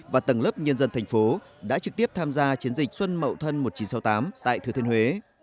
và tầng lớp nhân dân thành phố đã trực tiếp tham gia chiến dịch xuân mậu thân một nghìn chín trăm sáu mươi tám tại thừa thiên huế